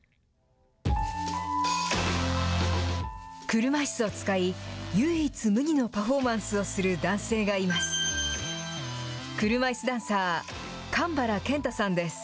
車いすを使い、唯一無二のパフォーマンスをする男性がいます。